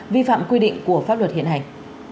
vi phạm quy định của pháp luật hiện hành